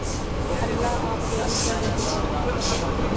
اللہ آپ لوگوں پر رحم کرے